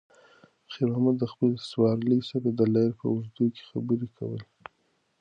خیر محمد د خپلې سوارلۍ سره د لارې په اوږدو کې خبرې کولې.